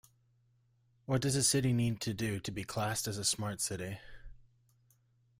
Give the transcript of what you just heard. What does a city need to do to be classed as a Smart City?